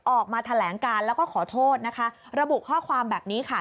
ออกมาแถลงการแล้วก็ขอโทษนะคะระบุข้อความแบบนี้ค่ะ